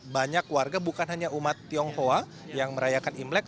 banyak warga bukan hanya umat tionghoa yang merayakan imlek